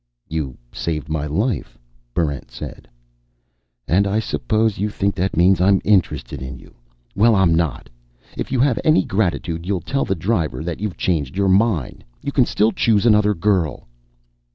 "You saved my life," Barrent said. "And I suppose you think that means I'm interested in you? Well, I'm not. If you have any gratitude, you'll tell the driver that you've changed your mind. You can still choose another girl."